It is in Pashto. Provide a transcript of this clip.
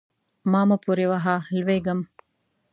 ما مه پورې وهه؛ لوېږم.